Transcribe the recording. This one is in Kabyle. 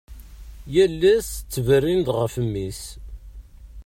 Yal ass ttberrin-d ɣef mmi-s.